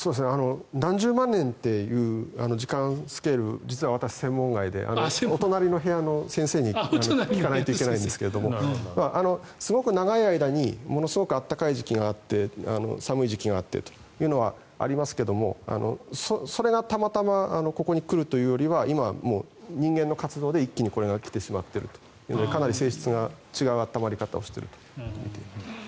何十万年という時間スケール実は私、専門外でお隣の部屋の先生に聞かないといけないんですがすごく長い間にものすごい暖かい時期があって寒い時期があってというのはありますけれどそれがたまたまここに来るというよりは今、人間の活動で一気にこれが来てしまっているということでかなり性質が違う暖まり方をしているとみています。